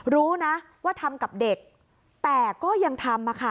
รู้นะว่าทำกับเด็กแต่ก็ยังทำ